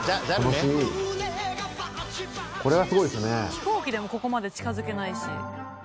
飛行機でもここまで近付けないし。